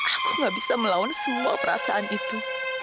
aku gak bisa melawan semua perasaan itu